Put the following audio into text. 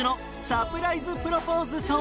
サプライズプロポーズとは？